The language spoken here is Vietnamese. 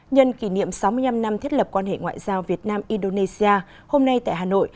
nhân kỷ niệm sáu mươi năm năm thiết lập quan hệ ngoại giao việt nam indonesia hôm nay tại hà nội